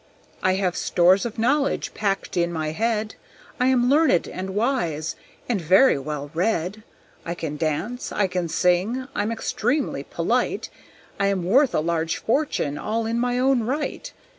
I have stores of knowledge packed in my head; I am learned and wise and very well read; I can dance, I can sing, I'm extremely polite; I am worth a large fortune all in my own right.